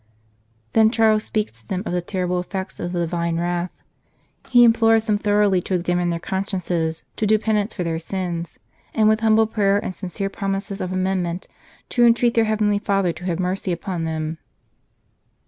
Then Charles speaks to them of the terrible effects of the Divine wrath ; he implores them thoroughly to examine their consciences, to do penance for their sins, and with humble prayer and sincere promises of amendment to entreat their heavenly Father to have mercy upon them.